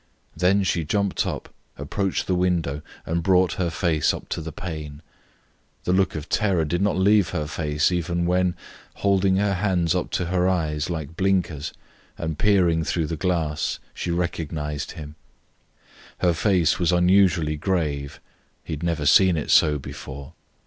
Then she jumped up, approached the window and brought her face up to the pane. The look of terror did not leave her face even when, holding her hands up to her eyes like blinkers and peering through the glass, she recognised him. Her face was unusually grave; he had never seen it so before.